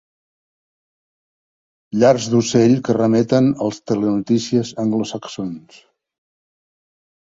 Llars d'ocell que remeten als telenotícies anglosaxons.